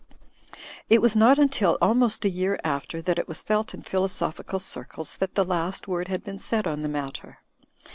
It was not imtil almost a year after that it was felt in philosophical circles that the last word had been said on the matter.